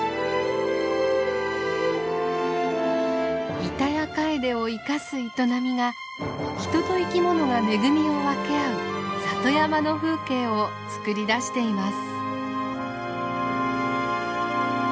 イタヤカエデを生かす営みが人と生き物が恵みを分け合う里山の風景を作り出しています。